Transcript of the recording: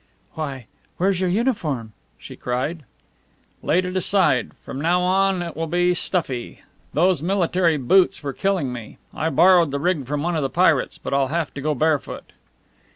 "Why, where's your uniform?" she cried. "Laid it aside. From now on it will be stuffy. Those military boots were killing me. I borrowed the rig from one of the pirates, but I'll have to go barefoot."